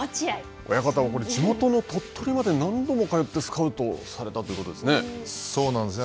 親方は、これ、地元の鳥取まで何度も通ってスカウトされたというそうなんですね。